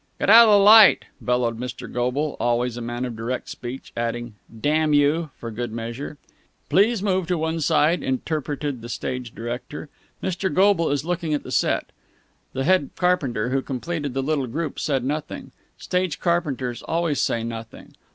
"Get out of the light!" bellowed Mr. Goble, always a man of direct speech, adding "Damn you!" for good measure. "Please move to one side," interpreted the stage director. "Mr. Goble is looking at the set." The head carpenter, who completed the little group, said nothing. Stage carpenters always say nothing.